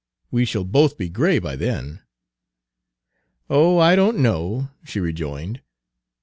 We shall both be gray by then." "Oh, I don't know," she rejoined.